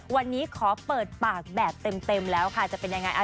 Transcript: วันนี้ขอเปิดปากแบบเต็มแล้วค่ะจะเป็นยังไง